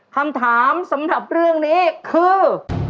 คำถามสำหรับเรื่องนี้คือ